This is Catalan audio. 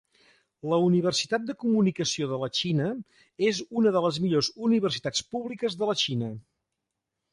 La Universitat de Comunicació de la Xina és una de les millors universitats públiques de la Xina.